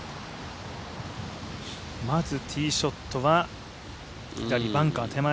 まず、ティーショットは左バンカー手前です。